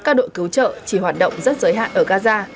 các đội cứu trợ chỉ hoạt động rất giới hạn ở gaza